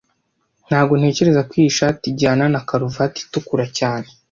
Ntago ntekereza ko iyi shati ijyana na karuvati itukura cyane